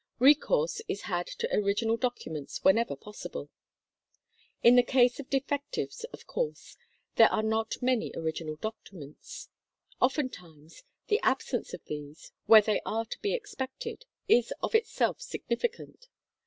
Recourse is had to original documents whenever possible. In the case of defectives, of course, there are not many original documents. Oftentimes the absence of these, where they are to be expected, is of itself significant.